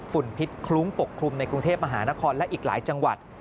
พิษคลุ้งปกคลุมในกรุงเทพมหานครและอีกหลายจังหวัด